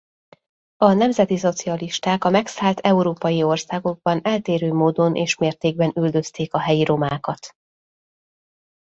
A nemzetiszocialisták a megszállt európai országokban eltérő módon és mértékben üldözték a helyi romákat.